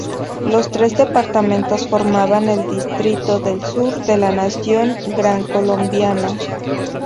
Los tres departamentos formaban el Distrito del Sur de la nación grancolombiana.